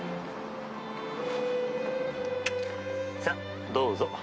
さあどうぞ。